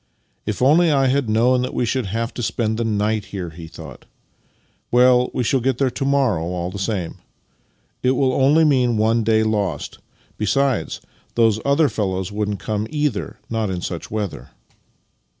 " If only I had known that we should have to spend the night here! " he thought. " Well, we shall get there to morrow, all the same. It will only mean one day lost. Besides, those other fellows wouldn't come either — not in such weather."